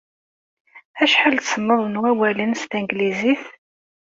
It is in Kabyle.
Acḥal tessneḍ n wawalen s tneglizit?